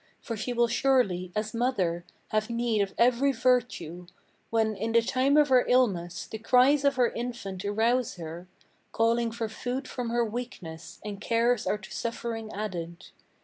For she will surely, as mother, have need of every virtue, When, in the time of her illness, the cries of her infant arouse her Calling for food from her weakness, and cares are to suffering added.